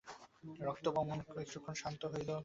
রক্তবমন কিছুক্ষণ শান্ত ছিল।